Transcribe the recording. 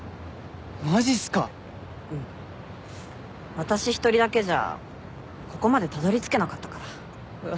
私一人だけじゃここまでたどり着けなかったから。